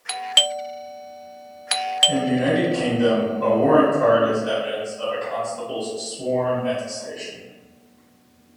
In the United Kingdom, a warrant card is evidence of a constable's sworn attestation.